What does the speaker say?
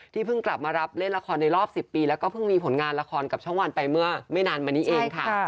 เพิ่งกลับมารับเล่นละครในรอบ๑๐ปีแล้วก็เพิ่งมีผลงานละครกับช่องวันไปเมื่อไม่นานมานี้เองค่ะ